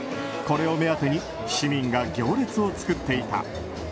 これを目当てに市民が行列を作っていた。